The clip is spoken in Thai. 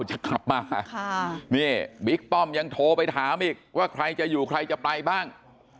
จะกลับมานี่บิ๊กป้อมยังโทรไปถามอีกว่าใครจะอยู่ใครจะไปบ้าง